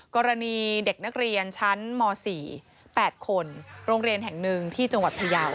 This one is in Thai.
กรณีเด็กนักเรียนชั้นม๔แปดคนโรงเรียนแห่ง๑ที่จังหวัดเภยา